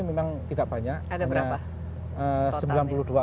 memang tidak banyak ada berapa totalnya